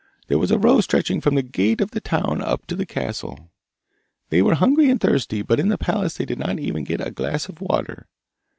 There was a row stretching from the gate of the town up to the castle. 'They were hungry and thirsty, but in the palace they did not even get a glass of water.